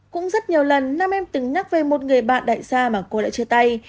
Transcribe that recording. cũng rất nhiều lần nam em từng nhắc về một người bạn đại gia mà cô lại chơi tay